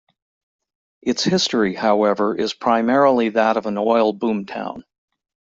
Its history, however, is primarily that of an oil boomtown.